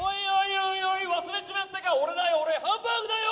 おいおい、忘れちまったか、俺だよ、俺、ハンバーグだよ。